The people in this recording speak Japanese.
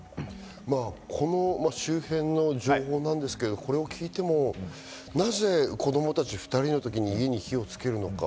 この周辺の情報ですけど、これを聞いてもなぜ子供たち２人のときに家に火をつけるのか？